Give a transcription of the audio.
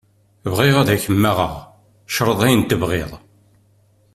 Bɣiɣ ad k-maɣeɣ, creḍ ayen tebɣiḍ.